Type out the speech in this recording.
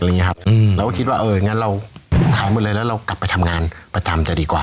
เราก็คิดว่าเอองั้นเรากลับไปทำงานประจำจะดีกว่า